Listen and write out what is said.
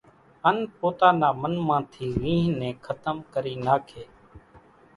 ان پوتا نا من مان ٿي رينۿ نين ختم ڪري ناکي،